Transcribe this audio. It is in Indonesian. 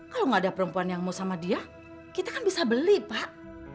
kalau nggak ada perempuan yang mau sama dia kita kan bisa beli pak